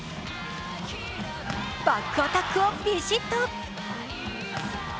バックアタックをビシッと！